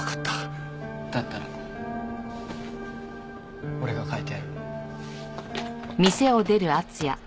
だったら俺が変えてやる。